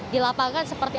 di lapangan seperang